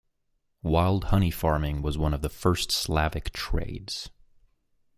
Wild honey farming was one of the first Slavic trades.